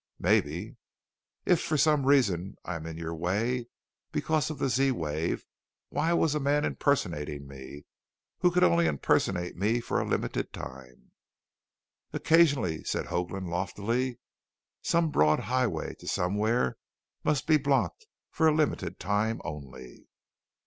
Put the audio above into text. "Maybe." "If for some reason I am in your way because of the Z wave, why was a man impersonating me, who could only impersonate me for a limited time?" "Occasionally," said Hoagland loftily, "some broad highway to somewhere must be blocked for a limited time only."